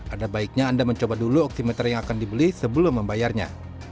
ada baiknya anda mencoba dulu oksimeter yang akan dibeli sebelum membayarnya